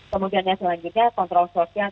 kemudian selanjutnya kontrol sosial